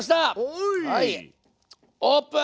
オープン！